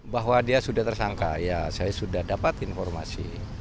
bahwa dia sudah tersangka ya saya sudah dapat informasi